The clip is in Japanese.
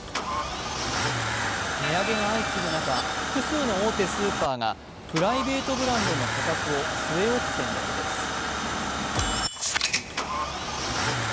値上げが相次ぐ中、複数の大手スーパーがプライベートブランドの価格を据え置く戦略です。